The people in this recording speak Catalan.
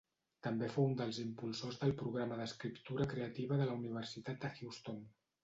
També fou un dels impulsors del Programa d'Escriptura Creativa de la Universitat de Houston.